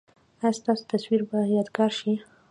ایا ستاسو تصویر به یادګار شي؟